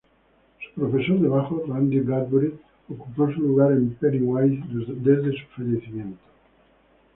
Su profesor de bajo, Randy Bradbury, ocupa su lugar en Pennywise desde su fallecimiento.